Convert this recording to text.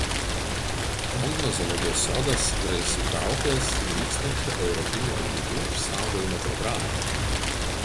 Talino zoologijos sodas yra įsitraukęs į nykstančių europinių audinių išsaugojimo programą.